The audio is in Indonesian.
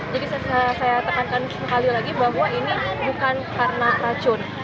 jadi saya tekankan sekali lagi bahwa ini bukan karena teracun